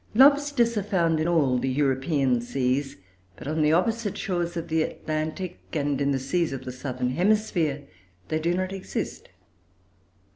Lobsters are found in all the European seas; but on the opposite shores of the Atlantic and in the seas of the southern hemisphere they do not exist.